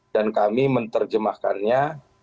dan kami menerjemahkannya